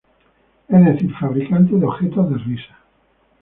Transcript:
Es decir, fabricante de objetos de risa.